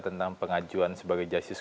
tentang pengajuan sebagai justice